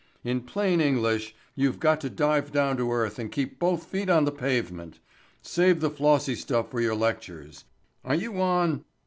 In plain English you've got to dive down to earth and keep both feet on the pavement. Save the flossy stuff for your lectures. Are you on?"